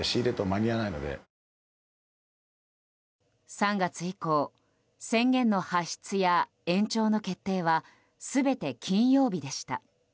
３月以降宣言の発出や延長の決定は全て金曜日でした。